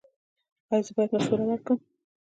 ایا زه باید مشوره ورکړم؟